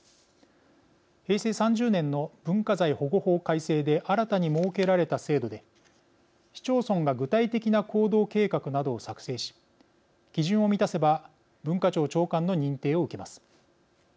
平成３０年の文化財保護法改正で新たに設けられた制度で市町村が具体的な行動計画などを作成し基準を満たせば文化庁長官の認定を受けます。